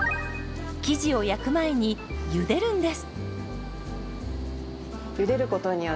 生地を焼く前にゆでるんです。